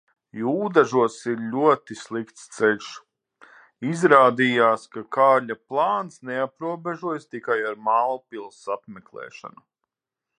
Jūdažos ir ļoti slikts ceļš. Izrādījās, ka Kārļa plāns neaprobežojas tikai ar Mālpils apmeklēšanu.